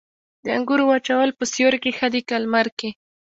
د انګورو وچول په سیوري کې ښه دي که لمر کې؟